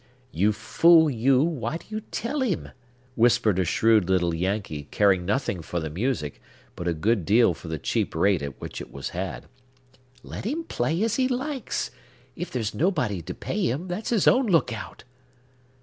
"You fool, you, why do you tell him?" whispered a shrewd little Yankee, caring nothing for the music, but a good deal for the cheap rate at which it was had. "Let him play as he likes! If there's nobody to pay him, that's his own lookout!"